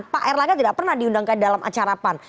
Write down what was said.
pak erlangga tidak pernah diundangkan dalam acara pan